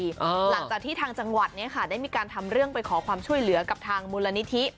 หลังจากที่ทางจังหวัดเนี่ยค่ะได้มีการทำเรื่องไปขอความช่วยเหลือกับทางมูลนิธิ